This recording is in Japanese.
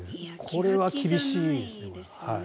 これは厳しいですよね。